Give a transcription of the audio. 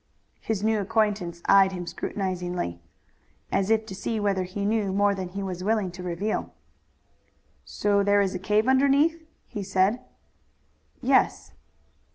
His new acquaintance eyed him scrutinizingly, as if to see whether he knew more than he was willing to reveal. "So there is a cave underneath?" he said. "Yes."